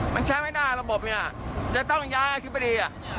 มันใช้ไม่ได้ระบบเนี่ยจะต้องย้ายอธิบดี